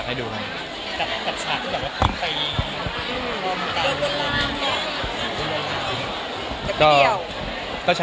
คุณค่ะ